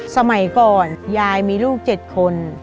สมัยก่อนยายมีลูก๗คน